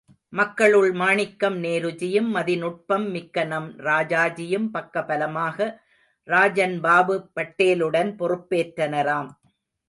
மக்களுள் மாணிக்கம் நேருஜியும் மதிநுட்பம் மிக்கநம் ராஜாஜியும் பக்க பலமாக ராஜன்பாபு பட்டே லுடன்பொறுப் பேற்றனராம்.